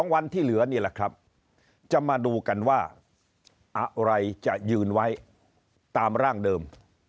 วันที่เหลือนี่แหละครับจะมาดูกันว่าอะไรจะยืนไว้ตามร่างเดิม